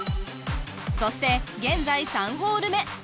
そして現在３ホール目。